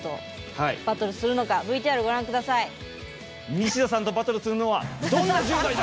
ニシダさんとバトルするのはどんな１０代だ？